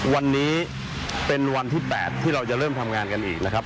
วันนี้เป็นวันที่๘ที่เราจะเริ่มทำงานกันอีกนะครับ